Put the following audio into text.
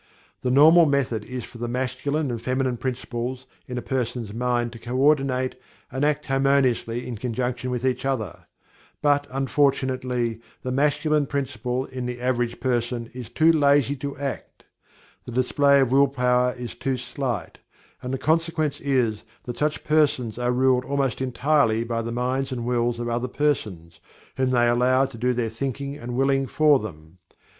The normal method is for the Masculine and Feminine Principles in a person's mind to co ordinate and act harmoniously in conjunction with each other, but, unfortunately, the Masculine Principle in the average person is too lazy to act the display of Will Power is too slight and the consequence is that such persons are ruled almost entirely by the minds and wills of other persons, whom they allow to do their thinking and willing for them.